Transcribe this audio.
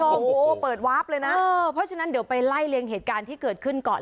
โอ้โหเปิดวาร์ฟเลยนะเพราะฉะนั้นเดี๋ยวไปไล่เลียงเหตุการณ์ที่เกิดขึ้นก่อน